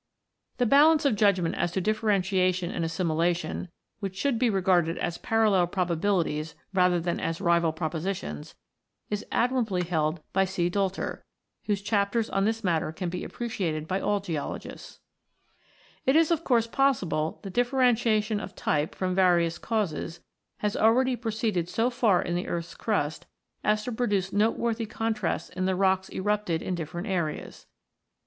The balance of judgment as to differentiation and assimilation, which should be regarded as parallel probabilities rather than as rival propositions, is admirably held by C. Doelter(83), whose chapters on this matter can be appreciated by all geologists. It is of course possible that differentiation of type, from various causes, has already proceeded so far in the earth's crust as to produce noteworthy contrasts in the rocks erupted in different areas.